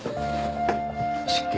失敬。